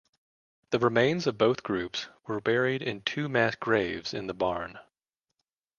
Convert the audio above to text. The remains of both groups were buried in two mass graves in the barn.